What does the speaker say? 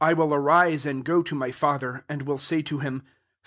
18 1 will arise and go to my fa ther, and will say to him.